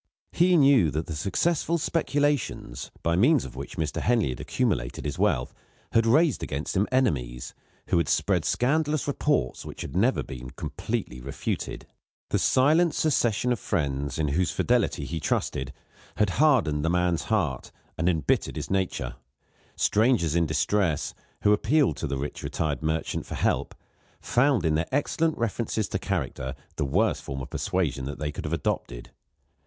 He knew that the successful speculations, by means of which Mr. Henley had accumulated his wealth, had raised against him enemies, who had spread scandalous reports which had never been completely refuted. The silent secession of friends, in whose fidelity he trusted, had hardened the man's heart and embittered his nature. Strangers in distress, who appealed to the rich retired merchant for help, found in their excellent references to character the worst form of persuasion that they could have adopted.